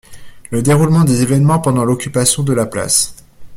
Le déroulement des événements pendant l’occupation de la place.